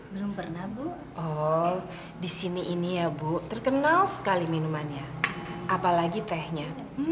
belum pernah bu oh disini ini ya bu terkenal sekali minumannya apalagi tehnya